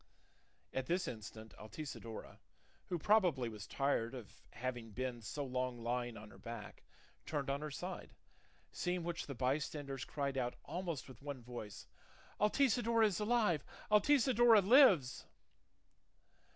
At this instant Altisidora, who probably was tired of having been so long lying on her back, turned on her side; seeing which the bystanders cried out almost with one voice, "Altisidora is alive! Altisidora lives!"